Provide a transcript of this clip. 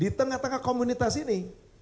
di tengah tengah komunitas ini